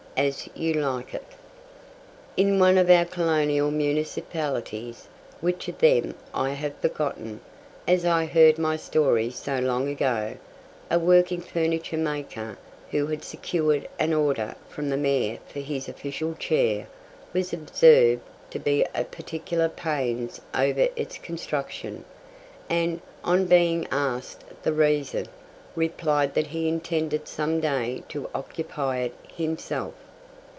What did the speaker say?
As You Like It. In one of our colonial municipalities, which of them I have forgotten, as I heard my story so long ago, a working furniture maker, who had secured an order from the Mayor for his official chair, was observed to be at particular pains over its construction, and, on being asked the reason, replied that he intended some day to occupy it himself.